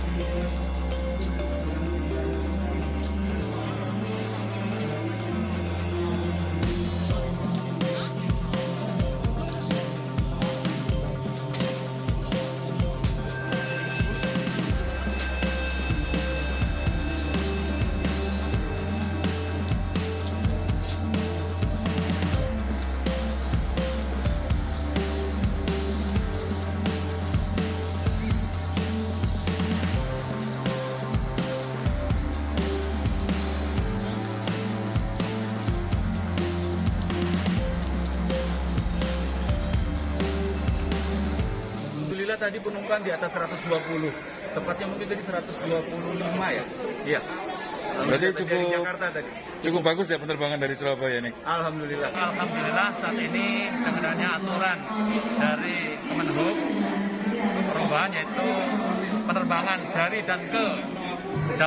jangan lupa like share dan subscribe ya